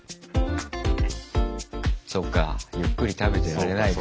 そっかゆっくり食べてられないか。